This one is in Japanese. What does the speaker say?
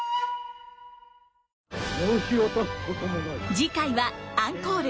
次回はアンコール。